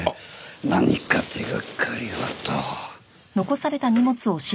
何か手掛かりはと。